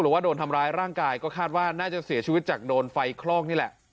หรือว่าโดนทำร้ายร่างกายก็คาดว่าน่าจะเสียชีวิตจากโดนไฟคลอกนี่แหละ